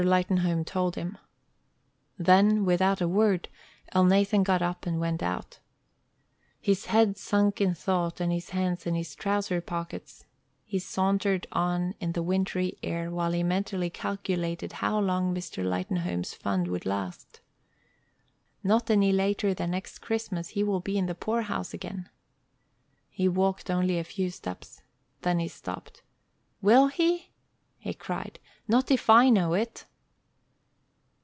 Lightenhome told him. Then, without a word, Elnathan got up and went out. His head sunk in thought, and his hands in his trousers' pockets, he sauntered on in the wintry air while he mentally calculated how long Mr. Lightenhome's funds would last. "Not any later than next Christmas he will be in the poorhouse again." He walked only a few steps. Then he stopped. "Will he?" he cried. "Not if I know it."